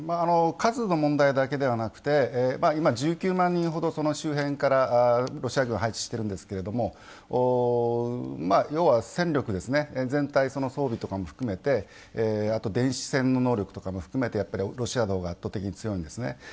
数の問題だけではなくて、今１９万人ほどその周辺からロシア軍配置しているんですけれども、要は戦力ですね、全体、装備とかも含めて、電子戦の能力とかも含めてロシアの方が圧倒的に強いんですね。